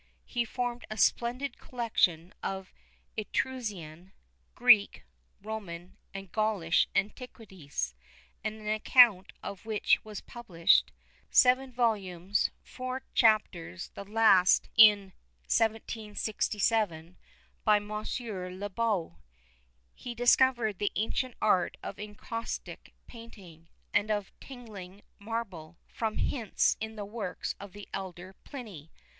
He formed a splendid collection of Etruscan, Greek, Roman, and Gaulish antiquities, an account of which was published (seven vols. 4to, the last in 1767) by Monsieur le Beau. He discovered the ancient art of encaustic painting, and of tinging marble, from hints in the works of the elder Pliny.